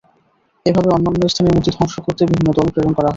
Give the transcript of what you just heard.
এভাবে অন্যান্য স্থানের মূর্তি ধ্বংস করতে বিভিন্ন দল প্রেরণ করা হয়।